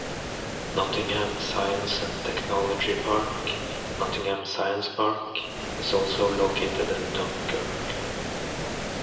Nottingham Science and Technology Park, Nottingham Science Park, is also located in Dunkirk.